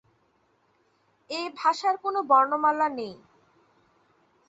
এ ভাষার কোন বর্ণমালা নেই।